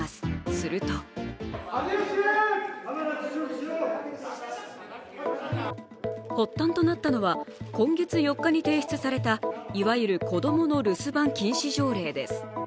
すると発端となったのは今月４日に提出された、いわゆる子供の留守番禁止条例です。